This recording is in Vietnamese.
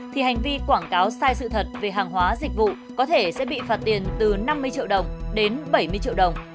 thì hành vi quảng cáo sai sự thật về hàng hóa dịch vụ có thể sẽ bị phạt tiền từ năm mươi triệu đồng đến bảy mươi triệu đồng